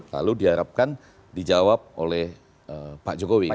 lalu diharapkan dijawab oleh pak jokowi